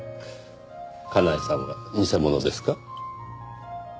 かなえさんは偽物ですか？